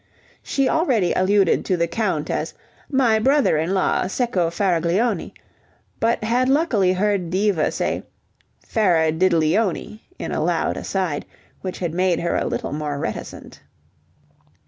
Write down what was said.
She already alluded to the Count as "My brother in law Cecco Faraglione", but had luckily heard Diva say "Faradiddleony" in a loud aside, which had made her a little more reticent.